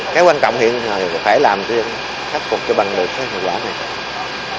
cái quan trọng hiện là phải làm thêm khắc phục cho bằng được cái hậu quả này